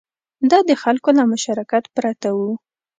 دا د خلکو له مشارکت پرته و